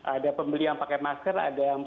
ada pembeli yang pakai masker ada yang